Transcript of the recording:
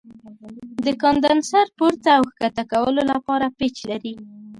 د کاندنسر پورته او ښکته کولو لپاره پیچ لري.